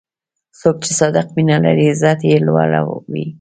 څوک چې صادق مینه لري، عزت یې لوړ وي.